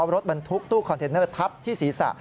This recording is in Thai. รถบรรทุกตู้คอนเทนเนอร์ทับที่ศีรษะ